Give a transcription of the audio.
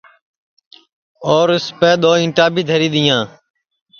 اور اُسپے دؔو اِنٹا دھری دیاں